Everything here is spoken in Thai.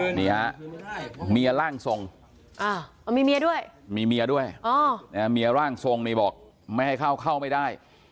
นี่ฮะเมียร่างทรงมีเมียด้วยมีเมียด้วยเมียร่างทรงนี่บอกไม่ให้เข้าเข้าไม่ได้